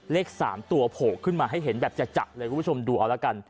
เลข๓ตัวโผล่ขึ้นมาให้เห็นแบบจะเลยคุณผู้ชมดูเอาละกัน